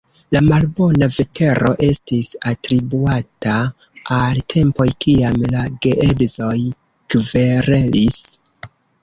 La malbona vetero estis atribuata al tempoj kiam la geedzoj kverelis.